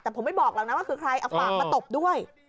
แต่ผมไม่บอกหรอกนะว่าคือใครเอาฝากมาตบด้วย